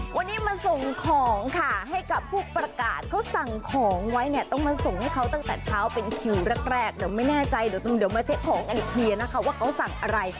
วันนี้มาส่งของค่ะให้กับผู้ประกาศเขาสั่งของไว้เนี่ยต้องมาส่งให้เขาตั้งแต่เช้าเป็นคิวแรกแรกเดี๋ยวไม่แน่ใจเดี๋ยวตรงเดี๋ยวมาเช็คของกันอีกทีนะคะว่าเขาสั่งอะไร